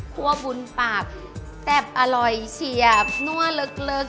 คั่วบุนปากแสบอร่อยเฉียบนั่วเล็ก